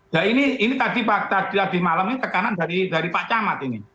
ya ini tadi malam ini tekanan dari pak camat ini